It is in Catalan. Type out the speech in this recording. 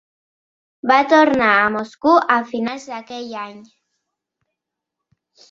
Va tornar a Moscou a finals d'aquell any.